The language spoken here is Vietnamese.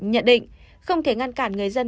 nhận định không thể ngăn cản người dân